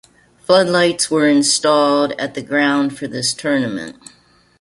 Floodlights were installed at the ground for this tournament.